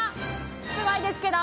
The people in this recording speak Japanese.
すごいですけど。